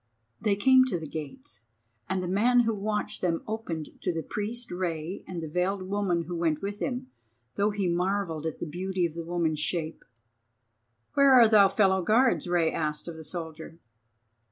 They came to the gates, and the man who watched them opened to the priest Rei and the veiled woman who went with him, though he marvelled at the beauty of the woman's shape. "Where are thy fellow guards?" Rei asked of the soldier.